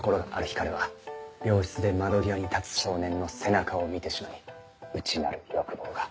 日彼は病室で窓際に立つ少年の背中を見てしまい内なる欲望が。